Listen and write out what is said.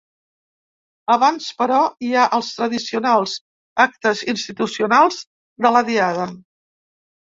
Abans, però, hi ha els tradicionals actes institucionals de la Diada.